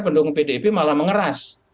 pendukung pdip malah mengeras